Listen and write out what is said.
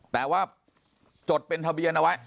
แต่ว่าจดเป็นทะเบียนเอาไว้